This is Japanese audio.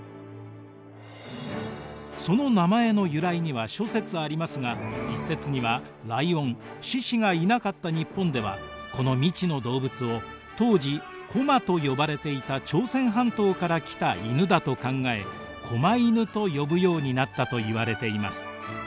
その名前の由来には諸説ありますが一説にはライオン獅子がいなかった日本ではこの未知の動物を当時高麗と呼ばれていた朝鮮半島から来た犬だと考え狛犬と呼ぶようになったといわれています。